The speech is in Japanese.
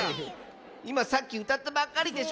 いまさっきうたったばっかりでしょ。